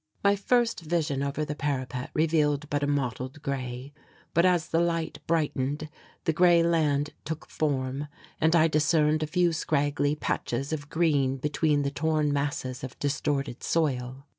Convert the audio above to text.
My first vision over the parapet revealed but a mottled grey. But as the light brightened the grey land took form, and I discerned a few scraggly patches of green between the torn masses of distorted soil.